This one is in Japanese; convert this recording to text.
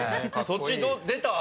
そっち出た？